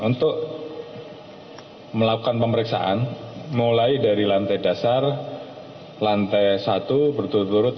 untuk melakukan pemeriksaan mulai dari lantai dasar lantai satu berturut turut